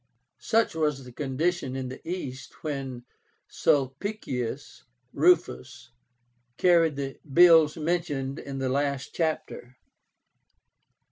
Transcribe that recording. Such was the condition in the East when Sulpicius Rufus carried the bills mentioned in the last chapter.